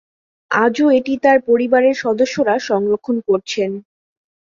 আজও এটি তাঁর পরিবারের সদস্যরা সংরক্ষণ করছেন।